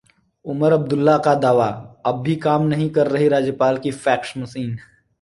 उमर अब्दुल्ला का दावा- अब भी काम नहीं कर रही राज्यपाल की फैक्स मशीन